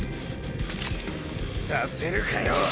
させるかよ